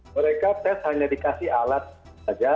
mereka tes hanya dikasih alat saja